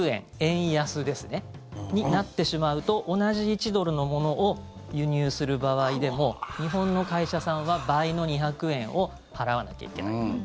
円安になってしまうと同じ１ドルのものを輸入する場合でも日本の会社さんは倍の２００円を払わなきゃいけない。